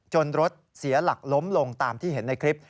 รถเสียหลักล้มลงตามที่เห็นในคลิป